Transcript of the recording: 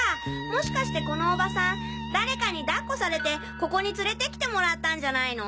もしかしてこのおばさん誰かにダッコされてここに連れて来てもらったんじゃないの？